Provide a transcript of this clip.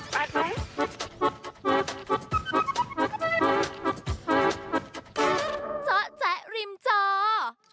เจาะแจ๊ะริมจอ